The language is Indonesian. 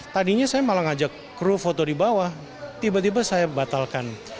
tadinya saya malah ngajak kru foto di bawah tiba tiba saya batalkan